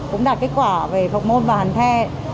cũng đạt kết quả về phọc môn và hàng the